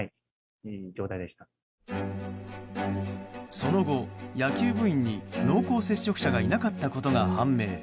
その後野球部員に濃厚接触者がいなかったことが判明。